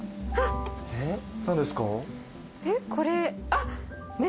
あっ。